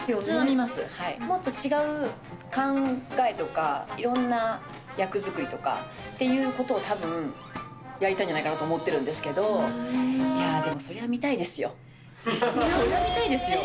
もっと違う考えとか、いろんな役作りとかっていうことをたぶん、やりたいんじゃないかなと思ってるんですけどね。